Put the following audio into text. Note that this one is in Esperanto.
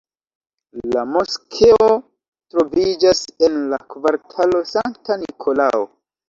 La moskeo troviĝas en la kvartalo Sankta Nikolao.